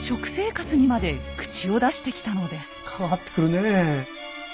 関わってくるねえ。